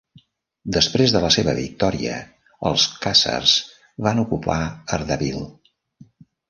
Després de la seva victòria, els khazars van ocupar Ardabil.